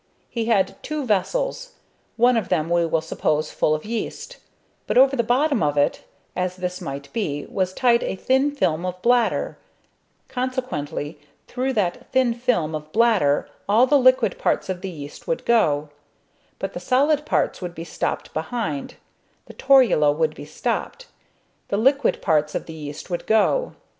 He had two vessels one of them we will suppose full of yeast, but over the bottom of it, as this might be, was tied a thin film of bladder; consequently, through that thin film of bladder all the liquid parts of the yeast would go, but the solid parts would be stopped behind; the torula would be stopped, the liquid parts of the yeast would go.